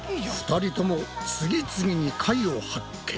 ２人とも次々に貝を発見！